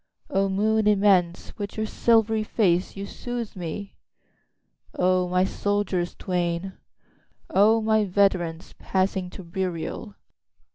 O moon immense, with your silvery face you soothe me!O my soldiers twain! O my veterans, passing to burial!